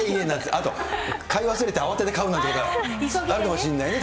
あと買い忘れて、慌てて買うなんていうことがあるかもしれないね。